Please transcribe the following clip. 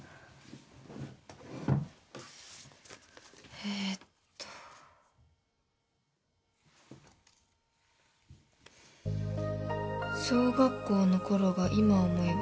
えっと「小学校の頃が今思えば」